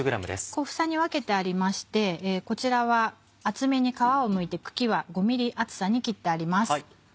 小房に分けてありましてこちらは厚めに皮をむいて茎は５ｍｍ厚さに切ってあります。